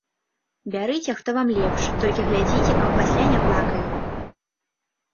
Бярыце, хто вам лепш, толькі глядзіце, каб пасля не плакалі.